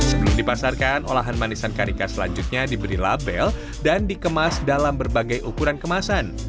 sebelum dipasarkan olahan manisan karika selanjutnya diberi label dan dikemas dalam berbagai ukuran kemasan